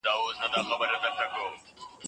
دغه کوچنی چي دی د پوهني په برخي کي تر ټولو ښه دی.